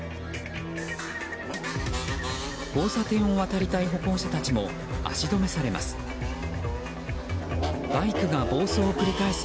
交差点を渡りたい歩行者たちも足止めされます。